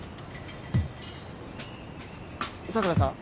佐倉さん。